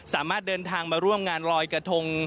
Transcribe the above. สามารถเดินทางมาร่วมงานลอยกระทง